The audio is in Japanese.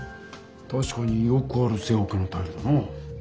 たしかによくある正方形のタイルだな。